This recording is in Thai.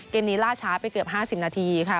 เกมนี้ล่าช้าไปเกือบ๕๐นาทีค่ะ